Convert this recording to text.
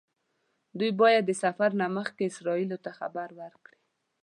هغوی باید د سفر نه مخکې اسرائیلو ته خبر ورکړي.